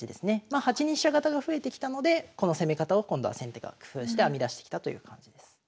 まあ８二飛車型が増えてきたのでこの攻め方を今度は先手が工夫して編み出してきたという感じです。